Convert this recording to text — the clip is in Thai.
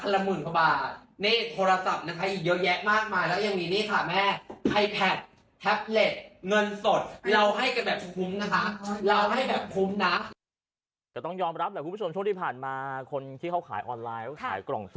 และนึกว่าเราได้ดี๒แรงอีกและช่วงสัปดาห์ที่๒ทำให้ว่าจะเป็นหนี้